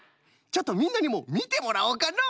ちょっとみんなにもみてもらおうかの！